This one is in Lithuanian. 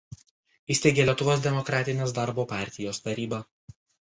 Įsteigė Lietuvos demokratinės darbo partijos taryba.